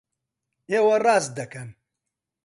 ئێوە ڕاست دەکەن!